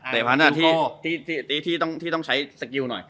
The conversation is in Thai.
แต่พันธุ์ที่ต้องใช้สกิลหน่อย